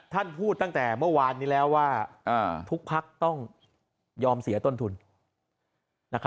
ท่านพูดตั้งแต่เมื่อวานนี้แล้วว่าทุกพักต้องยอมเสียต้นทุน